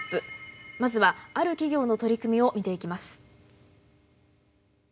まずはある企業の取り組みを見ていきます。